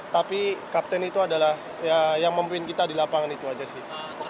tapi kapten itu adalah yang memimpin kita di lapangan itu aja sih